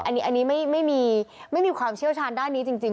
อันนี้ไม่มีความเชี่ยวชาญด้านนี้จริง